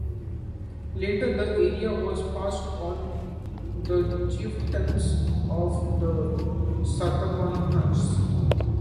Later the area was passed on to the chieftains of the Satavahanas.